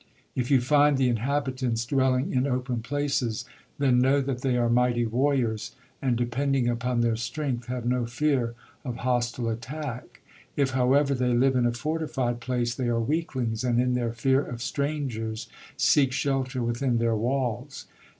If you find the inhabitants dwelling in open places, then know that they are mighty warriors, and depending upon their strength have no fear of hostile attack. If, however, they live in a fortified place, they are weaklings, and in their fear of strangers seek shelter within their walls.